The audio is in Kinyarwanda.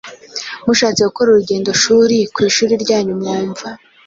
Mushatse gukora urugendoshuri ku ishuri ryanyu mwumva